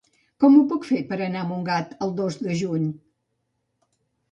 Com ho puc fer per anar a Montgat el dos de juny?